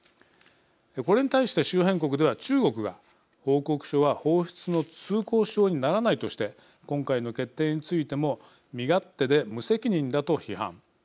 これに対して周辺国では中国が報告書は放出の通行証にならないとして今回の決定についても身勝手で無責任だと批判。